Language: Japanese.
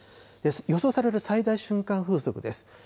予想される最大瞬間風速です。